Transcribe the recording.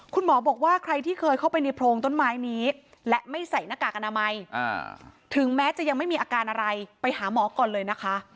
คุณหมอบอกว่าใครที่เคยเข้าไปในโพรงต้นไม้นี้และไม่ใส่หน้ากากอนามัยถึงแม้จะยังไม่มีอาการอะไรไปหาหมอก่อนเลยนะคะ